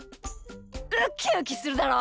ウキウキするだろ？